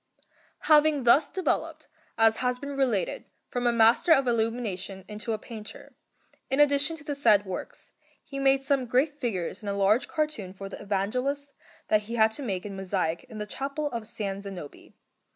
Having thus developed, as has been related, from a master of illumination into a painter, in addition to the said works, he made some great figures in a large cartoon for the Evangelists that he had to make in mosaic in the Chapel of S. Zanobi.